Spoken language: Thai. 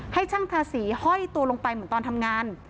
ให้ช่างทาสีห้อยตัวลงไปเหมือนตอนทำงาน